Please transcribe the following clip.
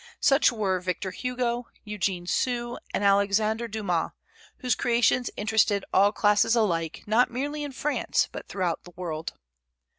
Such were Victor Hugo, Eugene Sue, and Alexandre Dumas, whose creations interested all classes alike, not merely in France, but throughout the world.